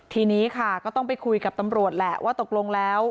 ทีนี้ค่ะก็ต้องไปคุยกับตำรวจแหละว่าตกลงแล้ว